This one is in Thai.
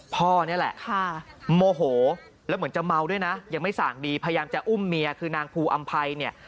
พ่อนี่แหละโมโหแล้วเหมือนจะเมาด้วยนะยังไม่ส่างดีพยายามจะอุ้มเมียคือนางภูอำภัยเนี่ย